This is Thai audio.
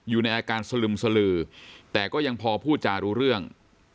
อยู่ในอาการสลึมสลือแต่ก็ยังพอพูดจารู้เรื่อง